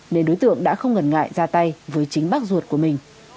nên đối tượng đã không ngần ngại ra tay với chính bác ruột của mình